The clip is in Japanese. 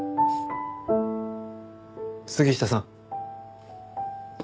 杉下さん。